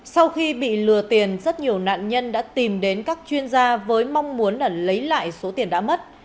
sau khi bị lừa tiền rất nhiều nạn nhân đã tìm đến các chuyên gia với mong muốn lấy lại số tiền đã mất